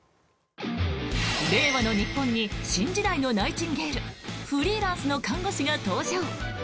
令和の日本に新時代のナイチンゲールフリーランスの看護師が登場。